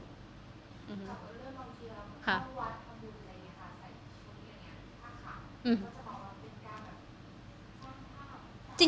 เกี่ยวกับเรื่องบางทีเราก็เข้าวัดทำบุญอะไรอย่างงี้ค่ะใส่ชุดข่าวเข้าวัดอย่างงี้ค่ะก็จะบอกว่าเป็นการค่อนข้าง